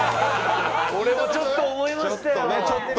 俺もちょっと思いましたよ。